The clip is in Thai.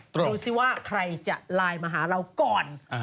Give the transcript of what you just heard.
ดูสิว่าใครจะไลน์มาหาเราก่อน